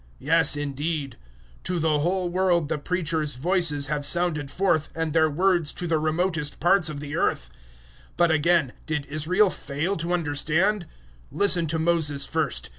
Yes, indeed: "To the whole world the preachers' voices have sounded forth, and their words to the remotest parts of the earth." 010:019 But again, did Israel fail to understand? Listen to Moses first.